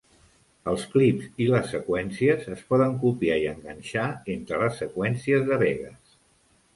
Els clips i les seqüències es poden copiar i enganxar entre les seqüències de Vegas.